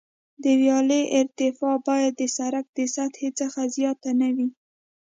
د ویالې ارتفاع باید د سرک د سطحې څخه زیاته نه وي